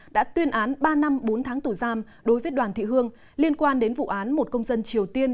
đã tuyên án ba năm bốn tháng tù giam đối với đoàn thị hương liên quan đến vụ án một công dân triều tiên